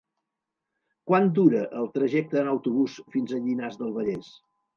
Quant dura el trajecte en autobús fins a Llinars del Vallès?